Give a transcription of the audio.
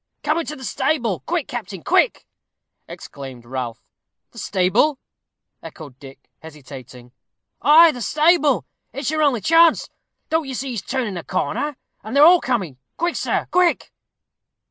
"Come into the stable. Quick, captain, quick!" exclaimed Ralph. "The stable!" echoed Dick, hesitating. "Ay, the stable; it's your only chance. Don't you see he's turning the corner, and they are all coming? Quick, sir, quick!"